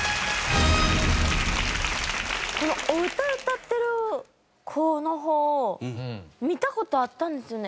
このお歌歌ってる子の方見た事あったんですよね